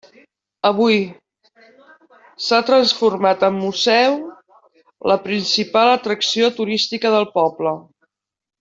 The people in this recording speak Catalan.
Avui, s'ha transformat en museu, la principal atracció turística del poble.